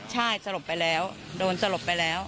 ใช่สลบไปแล้วโดนสลบไปแล้ว